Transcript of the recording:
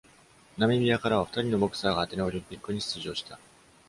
ナミビアからは二人のボクサーがアテネオリンピックに出場した。